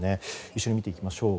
一緒に見ていきましょう。